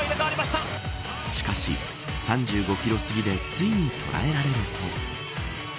しかし３５キロ過ぎでついに捉えられると。